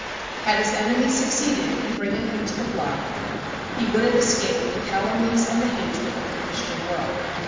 Had his enemies succeeded in bringing him to the block, he would have escaped the calumnies and the hatred of the Christian world.